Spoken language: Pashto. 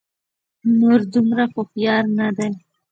نور دومره هوښيار نه دي